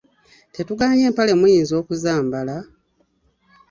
Tetugaanye empale muyinza okuzambala,